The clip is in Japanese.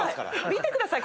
見てください